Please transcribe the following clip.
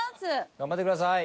頑張ってください。